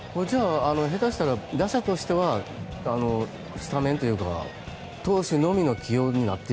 下手したら打者としてはスタメンというか投手のみの起用になっていく？